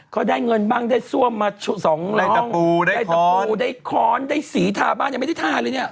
เขาได้เงินบ้างได้ซ่วมมาสองอะไรตะปูได้ตะปูได้ค้อนได้สีทาบ้านยังไม่ได้ทาเลยเนี่ย